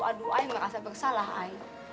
aduh ayah merasa bersalah ayah